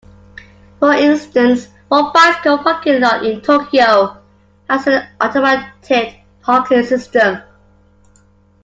For instance, one bicycle parking lot in Tokyo has an automated parking system.